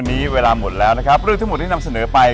วันนี้เวลาหมดแล้วนะครับเรื่องทั้งหมดที่นำเสนอไป